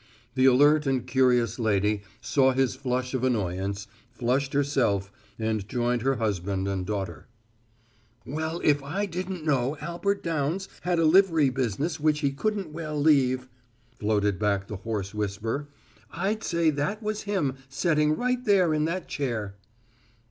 The alert and curious lady saw his flush of annoyance, flushed herself, and joined her husband and daughter. "Well, if I didn't know Albert Downs had a livery business which he couldn't well leave," floated back the hoarse whisper, "I'd say that was him setting right there in that chair."